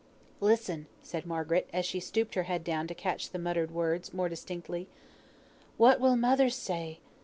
"Listen!" said Margaret, as she stooped her head down to catch the muttered words more distinctly. "What will mother say?